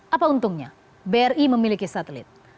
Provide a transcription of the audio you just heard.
apa untungnya bri memiliki satelit